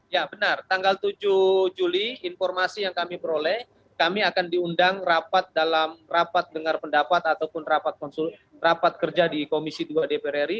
ya benar tanggal tujuh juli informasi yang kami peroleh kami akan diundang rapat dalam rapat dengar pendapat ataupun rapat kerja di komisi dua dpr ri